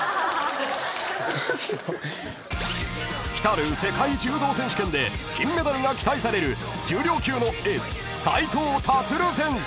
［来る世界柔道選手権で金メダルが期待される重量級のエース］